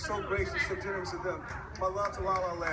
โอ้เฎียงใจกว้างนะ